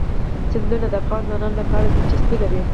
سیندونه د افغان ځوانانو لپاره دلچسپي لري.